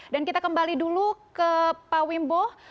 dan kita kembali dulu ke pak wimbo